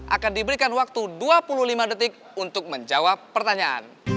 akan diberikan waktu dua puluh lima detik untuk menjawab pertanyaan